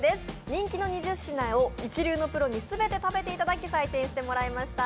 人気の２０品を一流のプロに全て食べていただき採点していただきました。